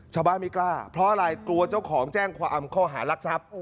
ไม่กล้าเพราะอะไรกลัวเจ้าของแจ้งความข้อหารักทรัพย์